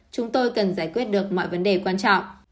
chúng tôi cần giải quyết được mọi vấn đề quan trọng